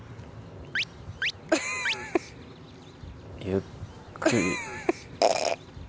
ゆっくり。